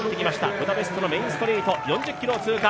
ブダペストのメインストリート４０ｋｍを通過。